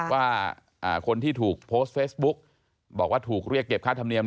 ว่าคนที่ถูกโพสต์เฟซบุ๊กบอกว่าถูกเรียกเก็บค่าธรรมเนียม